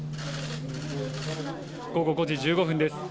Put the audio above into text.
午後５時１５分です。